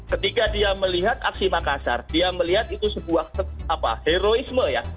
ketika dia melihat aksi makassar dia melihat itu sebuah heroisme ya